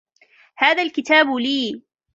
هذا الكتاب لي.